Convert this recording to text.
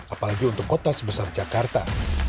apalagi untuk kota sebesar jakarta